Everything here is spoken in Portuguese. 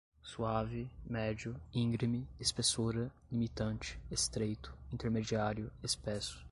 suave, médio, íngreme, espessura, limitante, estreito, intermediário, espesso